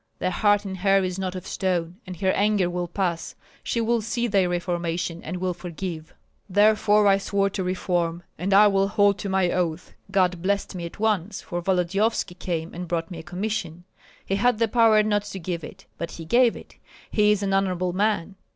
The heart in her is not of stone, and her anger will pass; she will see thy reformation and will forgive.' Therefore I swore to reform, and I will hold to my oath. God blessed me at once, for Volodyovski came and brought me a commission. He had the power not to give it; but he gave it, he is an honorable man!